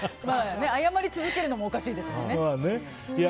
謝り続けるのもおかしいですもんね。